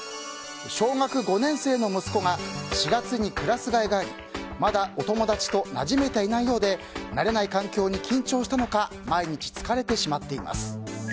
小学５年生の息子が４月にクラス替えがありまだお友達と馴染めていないようで慣れない環境に緊張したのか毎日疲れてしまっています。